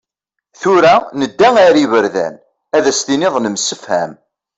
Tura, nedda ar yiberdan, Ad as-tiniḍ nemsefham.